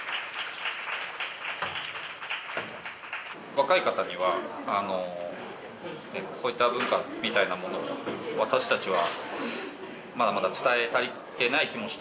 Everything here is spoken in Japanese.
若い方にはそういった文化みたいなものを私たちはまだまだ伝え足りてない気もしてますし。